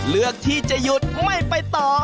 เลือกที่จะหยุดไม่ไปต่อ